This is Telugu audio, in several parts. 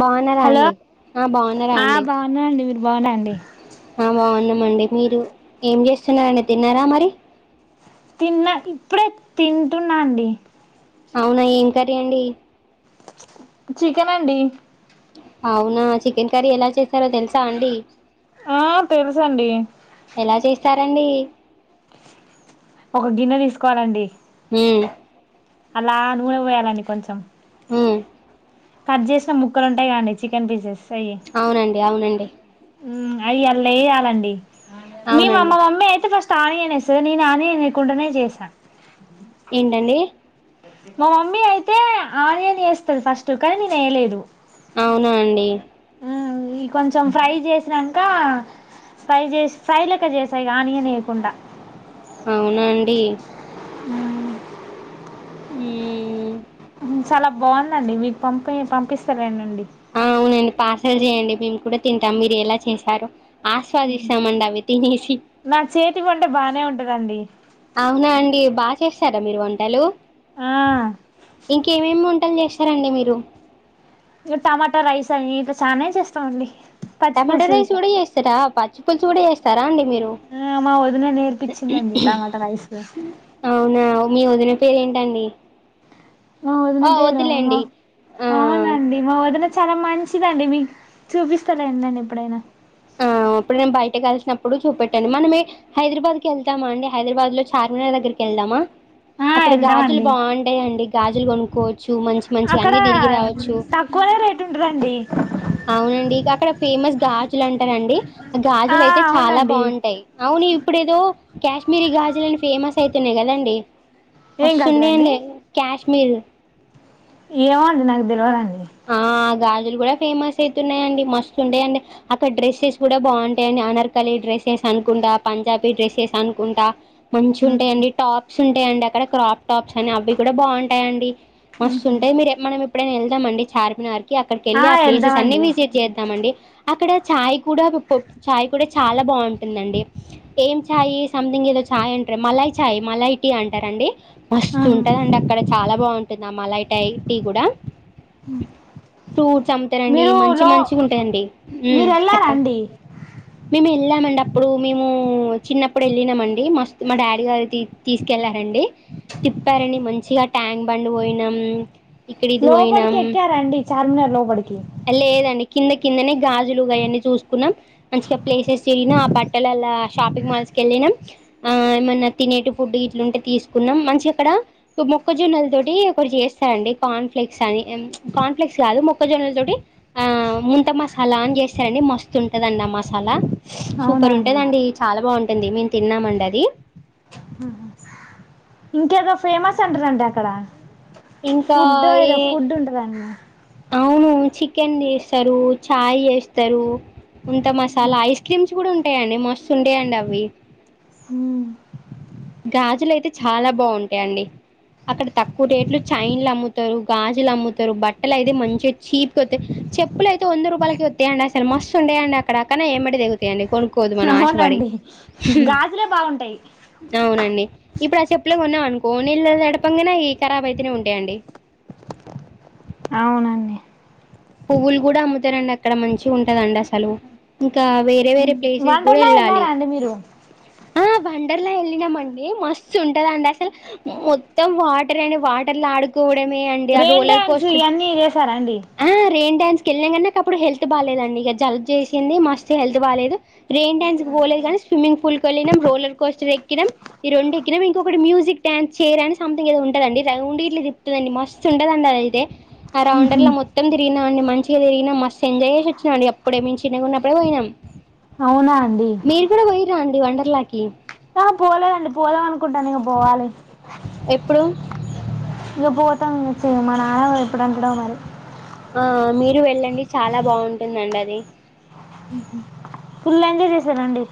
బాగున్నారా హలో అండి ఆ బాగున్నారా ఆ అండి బాగున్నా అండి మీరు బాగున్నా అండి ఆ బాగున్నామండి మీరు ఏం చేస్తున్నారండి తిన్నారా మరి తిన్న ఇప్పుడే తింటున్న అండి అవునా ఏం కర్రీ అండి చికెన్ అండి అవునా చికెన్ కర్రీ ఎలా చేస్తారో తెలుసా అండి ఆ తెలుసండి ఎలా చేస్తారండి ఒక గిన్నె తీసుకోవాలండి ఊ ఆన్ల నూనె పోయాలండి కొంచెం హ కట్ చేసిన ముక్కలు ఉంటాయి కదండీ చికెన్ పీసెస్ అవి అవునండి అవునండి అయి ఆన్ల వేయాలండి మీ అవునండి మామ్మ మమ్మీ అయితే ఆనియన్ వేస్తది నేను ఆనియన్ లేకుండానే చేస్ ఏంటండి మా మమ్మీ అయితే ఆనియన్ వేస్తారు ఫస్ట్ కానీ నేను వేయలేదు అవునా అండి ఆ ఈ కొంచెం ఫ్రై చేసినాంక ఫ్రై చేస్ ఫ్రై లెక్క చేసేయ్ ఆనియన్ వేయకుండా అవునా అండి హ్మ్ మ్మ్ చాలా బాగుందండి మీకు పంపి పంపిస్తానలెండి ఆ అవునండి పార్సల్ చేయండి మేము కూడా తింటాం మీరు ఎలా చేశారో ఆస్వాదిస్తామండి అవి తినేసి నా చేతి వంట బానే ఉంటదండి అవునా అండి బాగా చేస్తారా మీరు వంటలు ఆ ఇంకేమేమి వంటలు చేస్ తారండి మీరు ఇగ టమాటా రైస్ అని ఇక చానే చేస్తామండి టమాటో పచ్చిపులుసు రైస్ ఇట్లా కూడా చేస్తారా పచ్చిపులుసు కూడా చేస్తారా అండి మీరు ఆ మా వదిన నేర్పిచ్చిందండి టమోటా రైస్ అవునా మీ వదిన పేరేంటండి మా వదిన ఆ పేరా మా వద్దులేండి ఆ అవునండి మా వదిన చాలా మంచిదండి మీకు చూపిస్తాలేండి నేను ఎప్పుడైనా ఆ అప్పుడు నేను బయటకు వెళ్తున్నప్పుడు చూపెట్టండి మనమే హైదరాబాద్కి వెళ్తామా అండి హైదరాబాద్ లో చార్మినార్ దగ్గరకి వెళ్దామా ఆ అక్కడ గాజులు వెళ్దామండి బాగుంటాయండి గాజులు కొనుక్కోవచ్చు మంచి మంచి అక్కడ అన్ని తిరిగి రావచ్చు తక్కువనే రేట్ ఉంటదండి అవునండి ఇక అక్కడ ఫేమస్ గాజులు అంటారండి ఆ గాజులు అయితే చాలా అవునండి బాగుం టాయ్ అవును ఇప్పుడేదో కాశ్మీరీ గాజులని ఫేమస్ అయితున్నాయి కదండి ఏం మస్తుండే గదులండి అండి కాశ్మీర్ ఏమో అండి నాకు దెలవదండి ఆ గాజులు కూడా ఫేమస్ అయితున్నాయండి మస్తు ఉండే అండి అక్కడ డ్రెస్సెస్ కూడా బాగుంటాయని అనార్కలి డ్రెస్సెస్ అనుకుంటా, పంజాబీ డ్రెస్సెస్ అనుకుంటా, మంచిగ ఉంటాయండి టాప్స్ ఉంటాయండి అక్కడ క్రాప్ టాప్స్ అని అవి కూడా బాగుంటాయండి మస్తుంటాయి మీరు మనం ఎప్పుడైనా వెళ్దాం అండి చార్మినార్ కి అక్కడికి వెళ్ళి ఆ ప్లేసెస్ అన్ని విజిట్ చేద్దామండి అక్కడ చాయ్ కూడా పప్ చాయ్ కూడా చాలా బాగుంటుందండి ఏం ఛాయ్ సథింగ్ ఏదో ఛాయ్ అంటారు మలాయ్ మలై టీ అంటారు అండి ఆహా మస్తుంటదండి అక్కడ చాలా బాగుంటుంది మలై టై టీ కూడా హ ఫ్రూట్స్ అమ్ముతారండి మంచి మంచిగా ఉంటాయండి మీరు వెళ్ళారండి మేము వెళ్ళామండి అప్పుడు మేము చిన్నప్పుడు వెళ్ళినామండి మస్తు మా డాడీ గారు తీ తీసుకెళ్ళారండి తిప్పారండి మంచిగా ట్యాంక్ బండ్ పోయినాం ఇక్కడ ఇది పోయినాం క్కారా అండి చార్మినార్ లోపడికి లేదండి కింద కిందనే గాజులు ఆయన్ని చూసుకున్నాం మంచిగా ప్లేసెస్ తిరిగినా ఆ బట్టలల్లా షాపింగ్ మాల్స్ కెళ్ళినాం ఆ ఏమన్నా తినేటి ఫుడ్ ఇట్లుంటే తీసుకున్నాం మంచిగ అక్కడ మొక్కజొన్నల తోటి ఒకరు చేస్తారండి కార్న్ ఫ్లెక్స్ అని మ్ ప్చ్ కార్న్‌ప్లెక్స్ కాదు మొక్కజొన్నల తో ఆ ముంత మసాలా అని చేస్తారండి మస్తుంటదండి ఆ మసాలా అవునా సూపర్ అండి ఉంటదండి చాలా బాగుంటుంది మేము తిన్నాం అండి అది హ ఇంకేదో ఫేమస్ అంటారుండి అక్కడ ఇంకా ఫుడ్ ఏదో ఏ ఫుడ్ ఉంటందండి అవును చికెన్ చేస్తారు చాయ్ చేస్తారు ఉంత మసాలా ఐస్ క్రీమ్స్ కూడా ఉంటాయండి మస్తు ఉంటాయండి అవి ఉమ్ గాజులు అయితే చాలా బాగుంటాయండి అక్కడ తక్కువ రేట్లు చైన్లు అమ్ముతారు గాజులు అమ్ముతారు బట్టలు అయితే మంచిగా చీప్గావతాయి చెప్పులు అయితే వంద రూపాయలకి వతాయండి అసలు మస్తు ఉండయండి అక్కడక్కడ ఏమడి తెగుతాయండి కొనుక్ అవునండి గాజులే బాగుంటాయి అవునండి ఇప్పుడు ఆ చెప్పులే కొన్నాం అనుకో నీళ్ళు తడపంగానే అయి ఖరాబ్ అయితేనే ఉంటాయండి అవునండి పువ్వులు కూడా అమ్ముతారండి అక్కడ మంచి ఉంటదండి అసలు ఇంకా వేరే వేరే ప్లేసెస్ కూడా వండర్లా వెళ్ళాలి వెళ్ళారా అండి మీరు ఆ వండర్లా వెళ్ళినామండి మస్తు ఉంటదండి అసలు మొత్తం వాటర్ అని వాటర్ల ఆడుకోవడమే అండి ఆ రోలర్ కోస్ట్ అన్నీ చూసారాండి ఆ రెయిన్ డాన్స్ వెళ్ళినం అప్పుడు హెల్త్ బాగాలేదండి ఇక జల్బ్ చేసింది మస్త్ హెల్త్ బాగాలేదు రెయిన్ డాన్స్ పోలేదు కానీ స్విమ్మింగ్ పూల్కి వెళ్ళినం రోలర్ కోస్టర్ ఎక్కినం ఈ రెండు ఎక్కిన ఇంకొకటి మ్యూజక్ డాన్స్ చైర్ అని సంథింగ్ ఉంటద అండి రౌండ్ ఇట్లా తిప్పుతది మస్త్ మస్తు ఉంటుందండి అదిఅయితే ఉహు రౌండర్లా మొత్తం మొత్తం తిరిగినాండి మంచిగా తిరిగిన మస్తు ఎంజాయ్ చేసి వచ్చినం అప్పుడే చిన్నగా ఉన్నప్పుడే పోయినాం అవునా అండి మీరు కూడా పోయిరాండి వండర్లాకి ఆ పోలేదండి పోదాం అనుకుంటనాం ఇంక పోవాలి ఎప్పుడు ఇగ పోతాం మా నాన్న ఎప్పుడు అంటాడో మరి ఆ మీరు వెళ్ళండి చాలా బావుంటుందండి అది ఫుల్ ఎంజాయ్ చేసారా అండి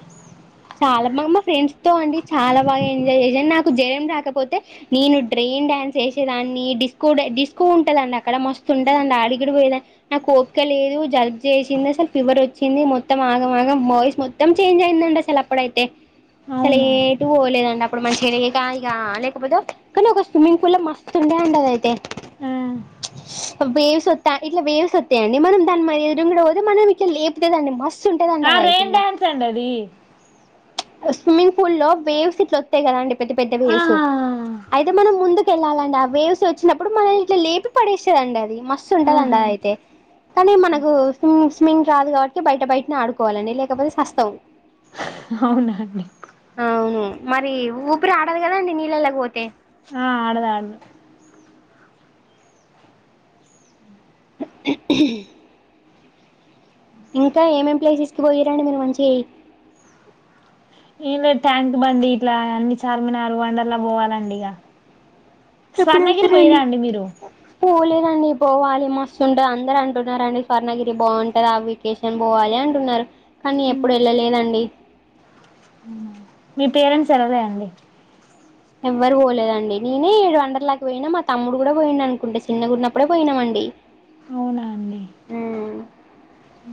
చాలా బాగా మా ఫ్రెండ్స్ తో అండి చాలా బాగా ఎంజాయ్ చేసాను నాకు జ్వరం రాకపోతే నేను డ్రైయిన్ డ్యాన్స్ యేసేదాన్ని డిస్కో డ్యా డిస్కో ఉంటదండి అక్కడ మస్తు ఉంటదండి అడిగిడిపోయేదా నాకు ఓపిక లేదు జలుబు చేసింది అసలు ఫీవర్ వచ్చింది మొత్తం ఆగమాగం వాయిస్ మొత్ మొత్తం చేంజ్ అయిందండి అసలు అప్పుడైతే అసలు అవునా ఏటు పోలేదండి అప్పుడు మంచిగా లేక ఇగ లేకపోతే కానీ ఒక స్విమ్మింగ్ పూల్ల మస్తు ఉండే అండి అది అయితే [inaudible] వేవ్స్ వస్తా ఇట్లా వేవ్స్ వస్తాయండి మనం దాని ఎదురుగుండా పోతే మనం ఇట్లా లే ఉంటదండి మస్తు ఉంటదండి అది అయితే ఇంకా సండది స్విమ్మింగ్ ఫుల్ లో వేవ్స్ ఇట్లా వస్తాయి కదా అండి పెద్ద పెద్ద వేవ్స్ ఆహా అయితే మనం ముందు వెళ్ళాలండి ఆ వేవ్స్ వచ్చినప్పుడు మనల్ని ఇట్లా లేపి పడేస్తదండి అది మస్తు ఉంటదండి అది అయితే కానీ మనకు స్విమ్ంగ్ స్విమింగ్ రాదు కాబట్టి బయట బయటనే ఆడుకోవాలండి లేకపోతే సస్తవు హా అవునా అండి అవును మరి ఊపిరి ఆడదు కదాండి నీళ్ళళ్ళకీ పోతే ఆ ఆడాదాడదు [inaudible] ఇంకా ఏమేమి ప్లేసెస్కి పోయరండి మీరు మంచిగాయ ఏమ్ లేదు ట్యాంక్ బండి ఇట్లా అన్ని చార్మినారు వండర్లా పోవాలండి ఇగ స్వర్ణగిరి పోయిరా అండి మీరు [unintelligible] పోలేదండి పోవాలి మస్తుంటది అందరు అంటున్నారండి స్వర్ణగిరి బాఉంటది అవి వెకేషన్ పోవాలి అంటున్నారు కానీ ఎప్పుడు వెళ్ళలేదండి మీ పేరెంట్స్ అడగరా అండి ఎవ్వరు పోలేదండి నేనే ఇప్పుడు వండర్లాకి పోయినా మా తమ్ముడు కూడా పోయిడు అనుకుంటే సిన్నగున్నపుడే పోయినామండి అవునా అండి [inaudible]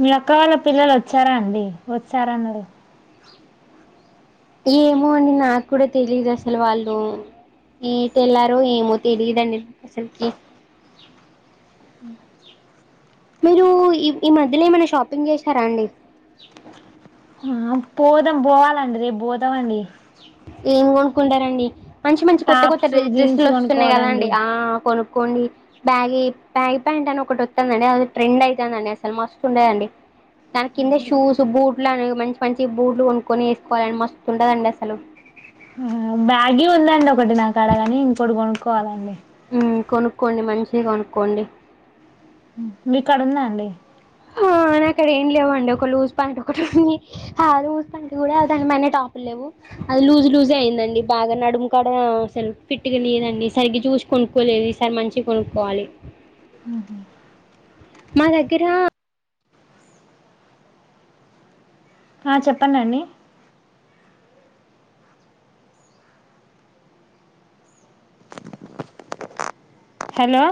మీ అక్క వాళ్ళ పిల్లలు వచ్చారా అండి వచ్చారా అన్నారు ఏమో అండి నాకు కూడా తెలీదు అసలు వాళ్ళు ఏటేళ్లారో ఏమో తెలిదండి అసలకి బ్లాంక్ మీరు ఈ ఈ మధ్యలో ఏమైనా షాపింగ్ చేశారా అండి ఆ పోదాం బోవాలండి రేపు బోతమండి ఏం కొనుక్కుంటారండి మంచి మంచి కొత్త కొత్త టాప్స్ జీన్స్ డ్రెస్లు వస్తున్నాయి కదా కొనుక్కోవాలండి అండి ఆ కొను కొండి బ్యాగి బ్యాగి ప్యాంట్ అని ఒకటి వస్తందండీ అది ట్రెండ్ అయితండి అండి అసలు మస్తు ఉండేదండి దాని కింద షూస్ బూట్లు అని మంచి మంచి బూట్లు కొనుక్కొని వేసుకోవాలండి మస్తుంటదండి అసలు బ్యాగి ఉందండి ఒకటి నా కాడా గాని ఇంకోటి కొనుక్కోవాలండి ఉ కొనుక్కోండి మంచివి కొనుక్కోండి మీకడ ఉందా అండి నాకడ ఏం లేవండి ఒక లుజ్ ప్యాంట్ ఒకటి ఉంది ఆ లూస్ ప్యాంట్ కూడా దాని పైన టాప్లు లేవు అది లూజ్ లూజ్ అయిందండి బాగా నడుము కాడ సెల్ఫిట్ గా లేదండీ సరిగ్గా చూసు కొనుక్కోలేదు ఈసారి మంచి కొనుక్కోవాలి ఊహు మా దగ్గర ఆ చెప్పండండి హలో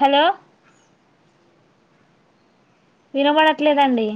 హలో వినబడట్లేదండి